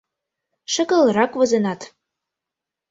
Шагалрак возенат.